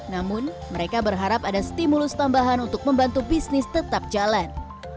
namun mereka berharap ada stimulus tambahan untuk membantu bisnis tetap jalan